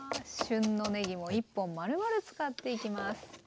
旬のねぎも１本丸々使っていきます。